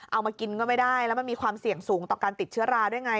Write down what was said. เอามากินก็ไม่ได้แล้วมันมีความเสี่ยงสูงต่อการติดเชื้อราด้วยไง